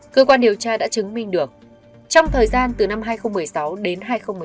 cơ quan điều tra đã chứng minh được trong thời gian từ năm hai nghìn một mươi sáu đến hai nghìn một mươi tám